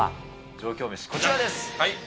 上京メシ、こちらです。